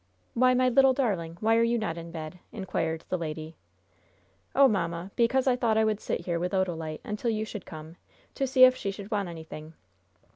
"Why, my little darling, why are you not in bed?" inquired the lady. "Oh, mamma, because I thought I would sit here with Odalite until you should come, to see if she should want anything."